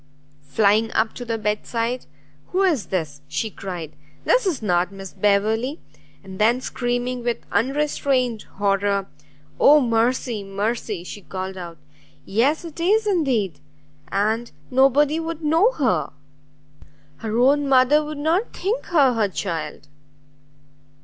Flying up to the bedside, "Who is this?" she cried, "this is not Miss Beverley?" and then screaming with unrestrained horror, "Oh mercy! mercy!" she called out, "yes, it is indeed! and nobody would know her! her own mother would not think her her child!"